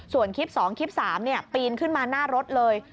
ส่วนคลิป๒คลิป๓ปีนขึ้นมาหน้ารถเลย